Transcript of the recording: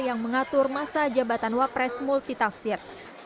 yang mengatur masa jabatan wapres multitafsir